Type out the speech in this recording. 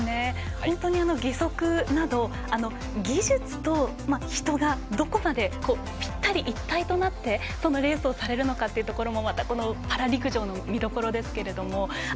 本当に義足など技術と人がどこまでぴったり一体となってレースをされるのかというところもまた、パラ陸上の見どころですけれども。